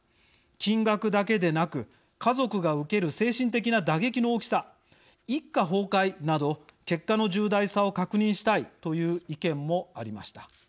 金額だけでなく家族が受ける精神的な打撃の大きさ一家崩壊など結果の重大さを確認したいという意見もありました。